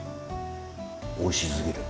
おいしすぎる。